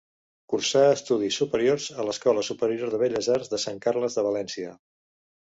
Cursà estudis superiors a l'Escola Superior de Belles Arts de Sant Carles de València.